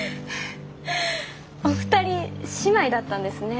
お二人姉妹だったんですね。